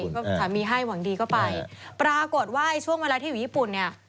ก็สามีให้หวังดีก็ไปปรากฏว่าช่วงเวลาที่อยู่ญี่ปุ่นเนี่ย